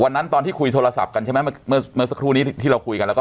ตอนที่คุยโทรศัพท์กันใช่ไหมเมื่อสักครู่นี้ที่เราคุยกันแล้วก็